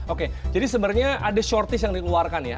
oke jadi sebenarnya ada shorthies yang dikeluarkan ya